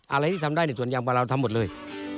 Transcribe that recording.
อะไรที่ทำได้ในสวนยางพาราวทั้งหมดเลย